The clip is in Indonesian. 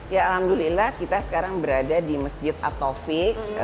ya alhamdulillah kita sekarang berada di masjid ataufik